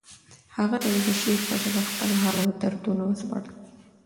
هغه ته یې د شعر په ژبه خپل حال او دردونه وسپړل